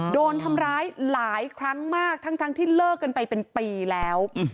โดนทำร้ายหลายครั้งมากทั้งที่เลิกกันไปเป็นปีแล้ว